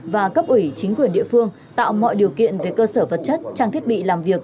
và cấp ủy chính quyền địa phương tạo mọi điều kiện về cơ sở vật chất trang thiết bị làm việc